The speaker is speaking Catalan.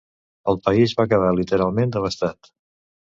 El país va quedar literalment devastat.